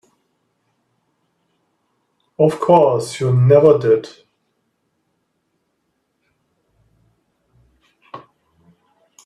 Of course you never did.